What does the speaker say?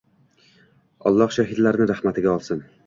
Alloh shahidlarni rahmatiga olsin